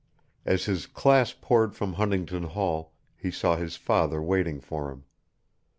As his class poured from Huntington Hall, he saw his father waiting for him.